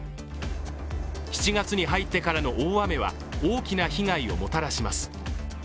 ７月に入ってからの大雨は大きな被害をもたらします。